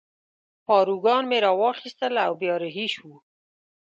پاروګان مې را واخیستل او بیا رهي شوو.